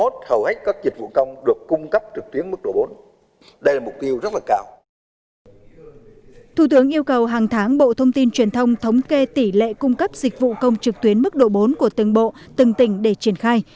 thủ tướng yêu cầu hàng tháng bộ thông tin truyền thông thống kê tỷ lệ cung cấp dịch vụ công trực tuyến mức độ bốn của từng bộ từng tỉnh để triển khai